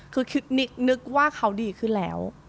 คือนึกว่าเขาดีขึ้นแล้ว